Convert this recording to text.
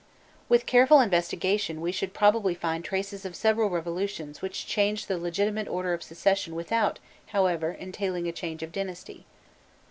With careful investigation, we should probably find traces of several revolutions which changed the legitimate order of succession without, however, entailing a change of dynasty.